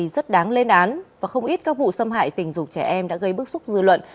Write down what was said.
rất đáng lên án và không ít các vụ xâm hại tình dục trẻ em đã gây bức xúc dư luận